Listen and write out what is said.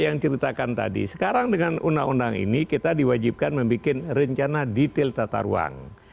yang ceritakan tadi sekarang dengan undang undang ini kita diwajibkan membuat rencana detail tata ruang